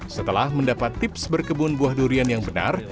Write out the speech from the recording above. setelah mendapat tips berkebun buah durian yang benar